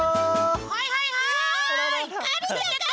はいはいはい！